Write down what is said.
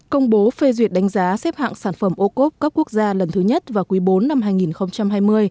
công bố phê duyệt đánh giá xếp hạng sản phẩm ô cốp cấp quốc gia lần thứ nhất vào quý bốn năm hai nghìn hai mươi